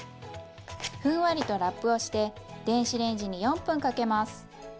ふんわりとラップをして電子レンジに４分かけます。